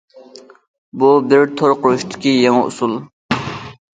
بۇ بىر تور قۇرۇشتىكى يېڭى ئۇسۇل.